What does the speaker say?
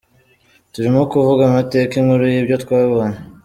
Turimo kuvuga amateka, inkuru y’ibyo twabonye ».